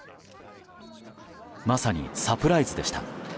まさにサプライズでした。